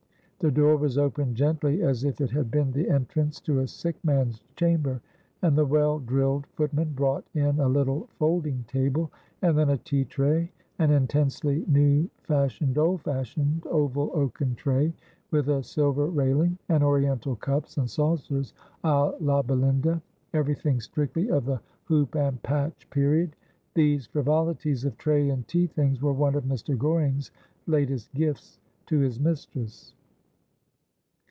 The door was opened gently, as if it had been the entrance to a sick man's chamber, and the well drilled footman brought in a little folding table, and then a tea tray, an intensely new fashioned old fashioned oval oaken tray, with a silver railing, and oriental cups and saucers d la Belinda — everything strictly of the hoop and patch period. These frivolities of tray and tea things were one of Mr. Goring's latest gifts to his mistress.